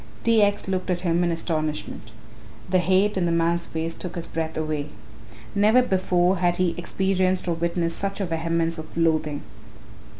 T. X. looked at him in astonishment. The hate in the man's face took his breath away. Never before had he experienced or witnessed such a vehemence of loathing.